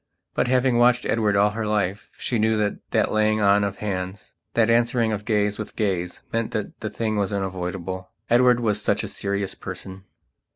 But, having watched Edward all her life, she knew that that laying on of hands, that answering of gaze with gaze, meant that the thing was unavoidable. Edward was such a serious person.